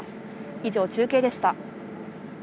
以上、中継でした。